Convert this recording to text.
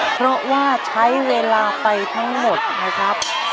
เพราะว่าใช้เวลาไปทั้งหมดนะครับ